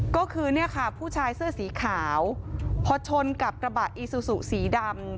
ก็คือเนี่ยค่ะผู้ชายเสื้อสีขาวพอชนกับกระบะอีซูซูสีดำ